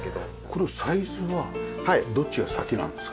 これサイズはどっちが先なんですか？